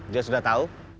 dia sudah tau